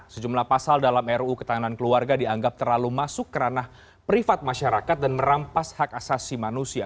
sejumlah pasal dalam ruu ketahanan keluarga dianggap terlalu masuk kerana privat masyarakat dan merampas hak asasi manusia